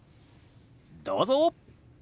どうぞ！